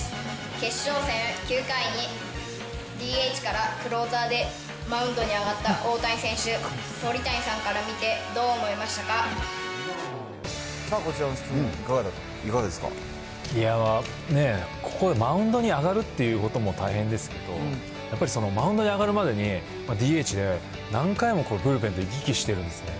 決勝戦、９回にＤＨからクローザーでマウンドに上がった大谷選手、鳥谷ささあ、ここでマウンドに上がるということも大変ですけど、やっぱりマウンドに上がるまでに、ＤＨで何回もブルペンと行き来してるんですね。